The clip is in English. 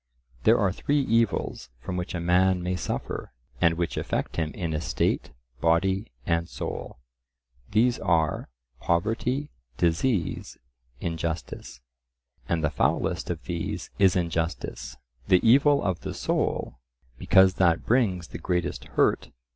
There are three evils from which a man may suffer, and which affect him in estate, body, and soul;—these are, poverty, disease, injustice; and the foulest of these is injustice, the evil of the soul, because that brings the greatest hurt.